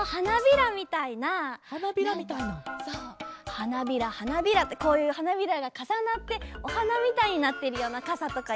はなびらはなびらってこういうはなびらがかさなっておはなみたいになってるようなかさとかいいかな。